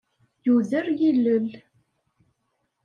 Yuder yilel.